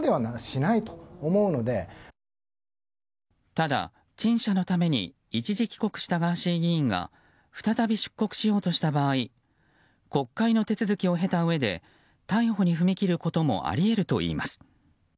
ただ、陳謝のために一時帰国したガーシー議員が再び出国しようとした場合国会の手続きを経たうえで逮捕に踏み切ることもあり得るといいます。